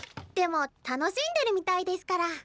でも楽しんでるみたいですから。